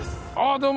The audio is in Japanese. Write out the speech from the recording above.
どうも。